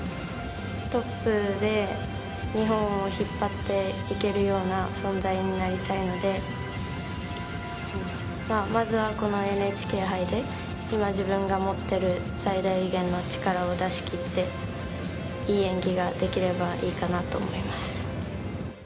トップで日本を引っ張っていけるような存在になりたいのでまずは、このＮＨＫ杯で今、自分が持ってる最大限の力を出しきっていい演技ができればいいかなと思います。